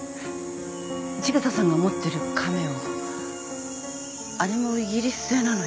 千草さんが持ってるカメオあれもイギリス製なのよ。